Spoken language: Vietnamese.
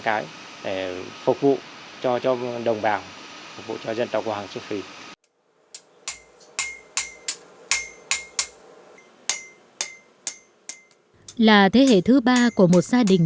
cái để phục vụ cho cho đồng bào phục vụ cho dân tộc hoàng sơn phi là thế hệ thứ ba của một gia đình